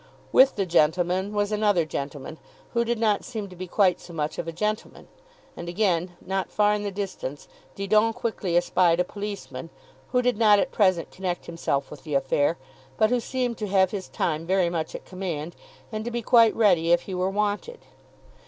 With the gentleman was another gentleman, who did not seem to be quite so much of a gentleman; and again, not far in the distance Didon quickly espied a policeman, who did not at present connect himself with the affair, but who seemed to have his time very much at command, and to be quite ready if he were wanted.